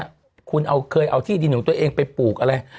คุณเคยเอาที่ดินของตัวเองไปปลูกอะไร